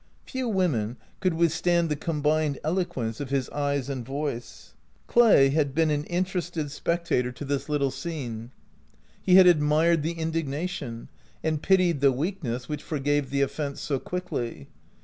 Few women could withstand the combined elo quence of his eyes and voice. Clay had been an interested spectator to 13 OUT OF BOHEMIA this little scene. He had admired the in dignation, and pitied the weakness which forgave the offense so quickly.